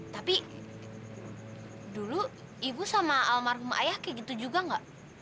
tapi dulu ibu sama almarhum ayah kayak gitu juga nggak